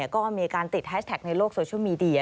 ก็มีการติดแฮชแท็กในโลกโซเชียลมีเดีย